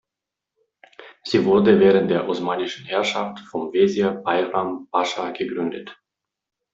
Sie wurde während der osmanischen Herrschaft vom Wesir Bajram Pascha gegründet.